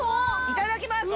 ・いただきます